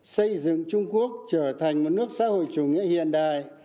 xây dựng trung quốc trở thành một nước xã hội chủ nghĩa hiện đại